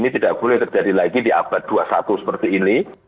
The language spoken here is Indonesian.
ini tidak boleh terjadi lagi di abad dua puluh satu seperti ini